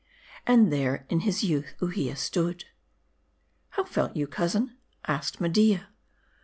And there in his youth Uhia stood. '" How felt you, cousin ?" asked Media.